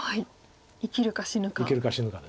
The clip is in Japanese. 生きるか死ぬか。